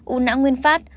u não nguyên phát